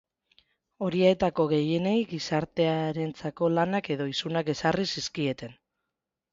Horietako gehienei gizartearentzako lanak edo isunak ezarri zizkieten.